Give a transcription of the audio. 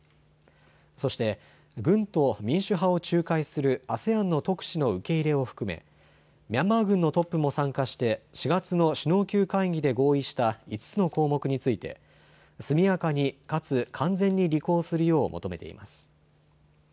そして軍と民主派を仲介するＡＳＥＡＮの特使の受け入れを含めミャンマー軍のトップも参加して４月の首脳級会議で合意した５つの項目について速やかに、かつ完全に履行するよう求めています。